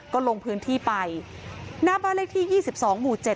ก็ลงพื้นที่ไปหน้าบ้านเลขที่สี่สิบสองหมู่เจ็ด